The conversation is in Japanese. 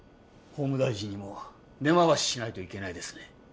法務大臣にも根回ししないといけないですね。